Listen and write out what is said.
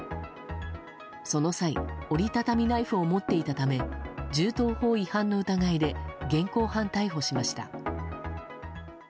その際、折り畳みナイフを持っていたため銃刀法違反の疑いで現行犯逮捕しました。